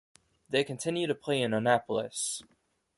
They continue to play in Annapolis.